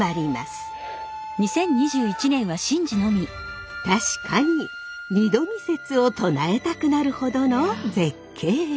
確かに二度見説を唱えたくなるほどの絶景です！